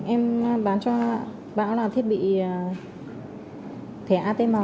em nhập qua một chị ở chợ đồng đăng ạ